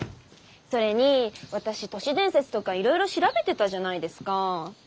それに私都市伝説とかいろいろ調べてたじゃないですかァー。